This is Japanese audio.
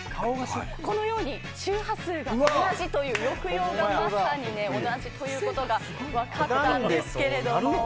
このように周波数が同じというまさに同じということが分かったんですけれども。